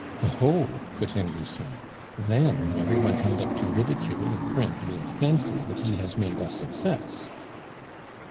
"Oho!" put in Lucien; "then every one held up to ridicule in print will fancy that he has made a success."